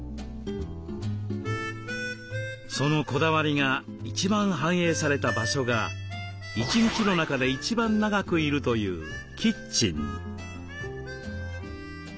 そのこだわりが一番反映された場所が一日の中で一番長くいるというキッチン。